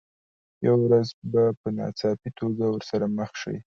یوه ورځ به په ناڅاپي توګه ورسره مخ شئ.